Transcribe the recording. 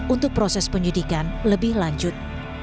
untuk proses penyidikan lebih lanjut